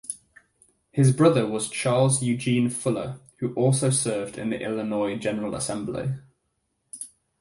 His brother was Charles Eugene Fuller who also served in the Illinois General Assembly.